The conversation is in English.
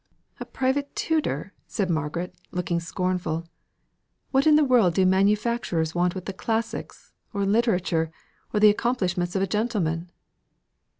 "A private tutor!" said Margaret, looking scornful: "What in the world do manufacturers want with the classics, or literature, or the accomplishments of a gentleman?"